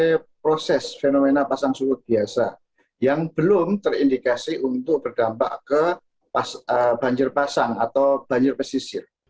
ini adalah proses fenomena pasang surut biasa yang belum terindikasi untuk berdampak ke banjir pasang atau banjir pesisir